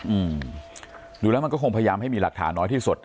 อืมดูแล้วมันก็คงพยายามให้มีหลักฐานน้อยที่สุด